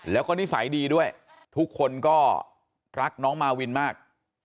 แล้วก็นิสัยดีด้วยทุกคนก็รักน้องมาวินมาก